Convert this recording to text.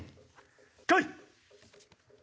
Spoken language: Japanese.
来い！